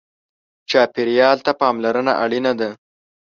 چاپېریال ته پاملرنه اړینه ده.